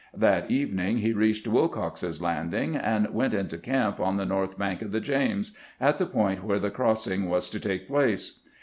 That evening he reached Wilcox's Landing, and went into camp on the north bank of the James, at the point where the cross ing was to take place.